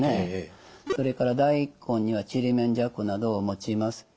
それから大根にはちりめんじゃこなどを用います。